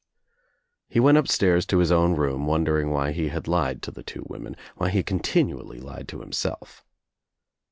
He went upstairs to his own room wondering why he had lied to the two women, why he continually lied to himself.